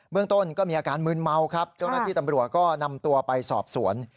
เมืองต้นก็มีอาการมืนเมาครับเจ้าหน้าที่ตำรวจก็นำตัวไปสอบสวน